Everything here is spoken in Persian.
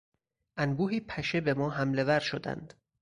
انبوهی پشه به ما حملهور شدند.